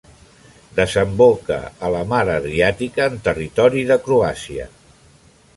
Desemboca a la mar Adriàtica en territori de Croàcia.